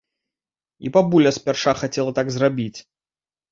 І бабуля спярша хацела так зрабіць.